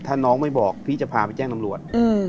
ถ้าน้องไม่บอกพี่จะพาไปแจ้งตำรวจ